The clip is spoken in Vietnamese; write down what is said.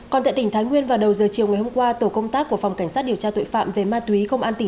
còn tại tỉnh thái nguyên vào đầu giờ chiều ngày hôm qua tổ công tác của phòng cảnh sát điều tra tội phạm về ma túy